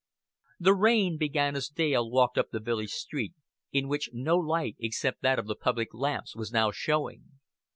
The rain began as Dale walked up the village street, in which no light except that of the public lamps was now showing.